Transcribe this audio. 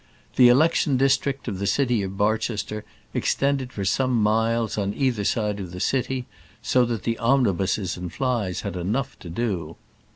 The election district of the city of Barchester extended for some miles on each side of the city, so that the omnibuses and flys had enough to do.